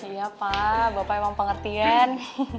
iya pak bapak emang pengertian